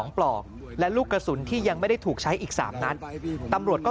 ปลอกและลูกกระสุนที่ยังไม่ได้ถูกใช้อีก๓นัดตำรวจก็